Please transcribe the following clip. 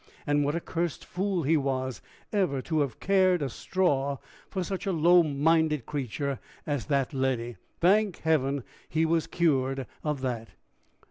And what a cursed fool he was ever to have cared a straw for such a low minded creature as that Letty! Thank Heaven, he was cured of that!